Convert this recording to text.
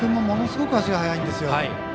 ものすごく足が速いんです。